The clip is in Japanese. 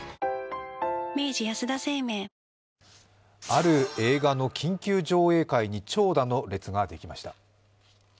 ある映画の緊急上映会に長蛇の列ができました。